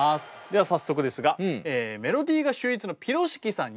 では早速ですがメロディーが秀逸なピロシキさん